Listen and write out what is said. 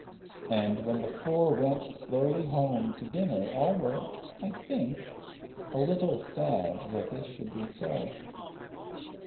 And when the four went slowly home to dinner all were, I think, a little sad that this should be so.